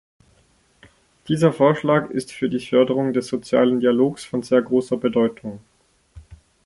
Dieser Vorschlag ist für die Förderung des sozialen Dialogs von sehr großer Bedeutung.